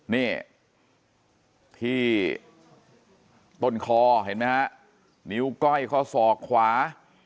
เนี่ยที่ต้นคอเห็นมั้ยครับนิ้วก้อยข้อสอกขวา